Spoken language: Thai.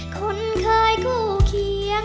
คนเคยคู่เคียง